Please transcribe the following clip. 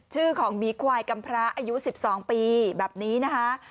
ชื่อของหมีควายกำพระอายุ๑๒ปีแบบนี้นะคะ